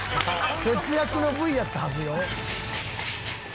節約のＶやったはずよ。